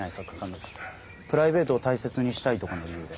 プライベートを大切にしたいとかの理由で。